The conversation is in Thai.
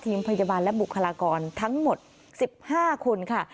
ทีมพยาบาลและบุคลากรทั้งหมด๑๕คนค่ะ